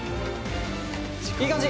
「いい感じ！」